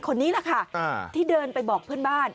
คนนี้แหละค่ะที่เดินไปบอกเพื่อนบ้าน